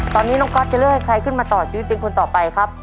ตอนนี้น้องก๊อตจะเลือกให้ใครขึ้นมาต่อชีวิตเป็นคนต่อไปครับ